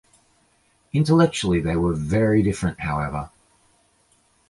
Intellectually they were very different, however.